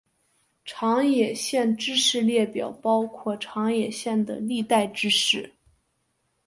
长野县知事列表包括长野县的历代知事。